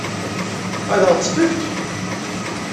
Ad ɣ-tt-tefk?